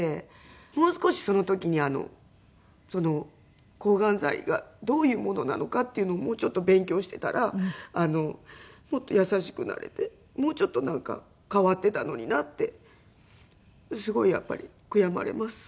もう少しその時に抗がん剤がどういうものなのかっていうのをもうちょっと勉強していたらもっと優しくなれてもうちょっと変わってたのになってすごいやっぱり悔やまれます。